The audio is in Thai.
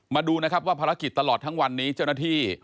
มาดูนะครับว่าภารกิจตลอดทั้งวันนี้เจ้าหน้าที่